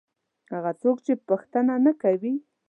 هغه څوک چې پوښتنه نه کوي.